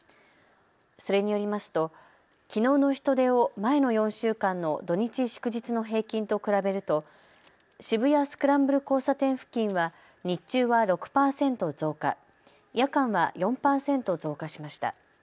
それによりますときのうの人出を前の４週間の土日、祝日の平均と比べると渋谷スクランブル交差点付近は日中は６％増加、夜間は４％増加しました。